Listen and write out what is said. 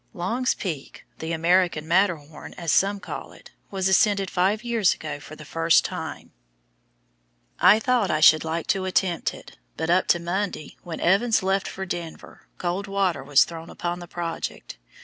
Long's Peak, "the American Matterhorn," as some call it, was ascended five years ago for the first time. I thought I should like to attempt it, but up to Monday, when Evans left for Denver, cold water was thrown upon the project.